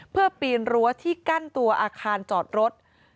เพื่อปีนรั้วที่กั้นตัวอาคารจอดรถ